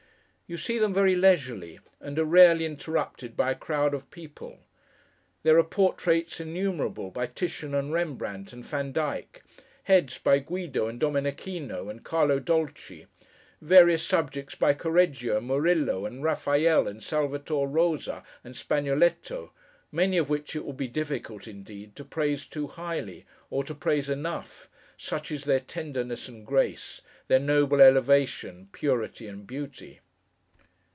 You see them very leisurely; and are rarely interrupted by a crowd of people. There are portraits innumerable, by Titian, and Rembrandt, and Vandyke; heads by Guido, and Domenichino, and Carlo Dolci; various subjects by Correggio, and Murillo, and Raphael, and Salvator Rosa, and Spagnoletto—many of which it would be difficult, indeed, to praise too highly, or to praise enough; such is their tenderness and grace; their noble elevation, purity, and beauty.